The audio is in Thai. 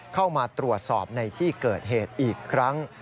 เข้ามาตรวจสอบในที่เกิดเหตุอีกครั้ง